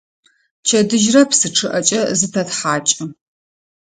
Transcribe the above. Пчэдыжьрэ псы чъыӀэкӀэ зытэтхьакӀы.